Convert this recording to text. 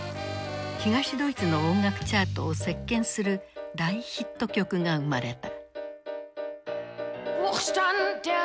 東ドイツの音楽チャートを席巻する大ヒット曲が生まれた。